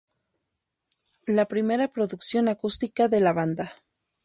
La primera producción acústica de la banda.